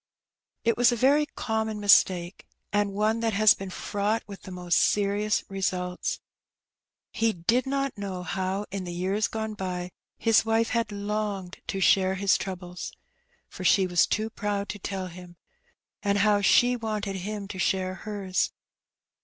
It was a very common mistake, and one that has been fraught with the most serious results. He did not know how, in the years gone by, his wife had longed to share his troubles (for she was too proud to tell him), and how she wanted him to share hers.